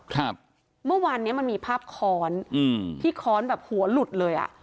ครับเมื่อวานเนี้ยมันมีภาพค้อนอืมที่ค้อนแบบหัวหลุดเลยอ่ะ